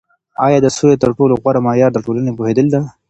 آیا د سولي تر ټولو غوره معیار د ټولني پوهیدل ده؟